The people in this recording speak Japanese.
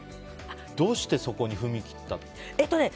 どうしてそこに踏み切ったっていう。